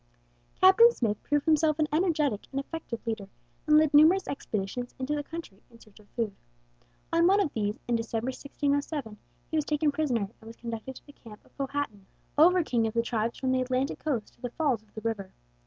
Captain Smith proved himself an energetic and effective leader, and led numerous expeditions into the country in search of food. On one of these, in December, 1607, he was taken prisoner and was conducted to the camp of Powhatan, over king of the tribes from the Atlantic coast to the "falls of the river."